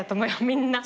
みんな。